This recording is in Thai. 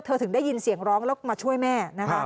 ถึงได้ยินเสียงร้องแล้วมาช่วยแม่นะคะ